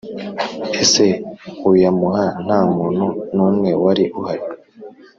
ese uyamuha nta muntu n’umwe wari uhari